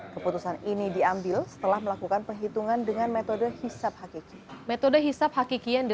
keputusan ini diambil setelah melakukan perhitungan dengan metode hisab hakiki